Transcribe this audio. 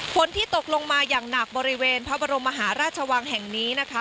ฝนที่ตกลงมาอย่างหนักบริเวณพระบรมมหาราชวังแห่งนี้นะคะ